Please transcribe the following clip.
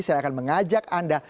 saya akan mengajak anda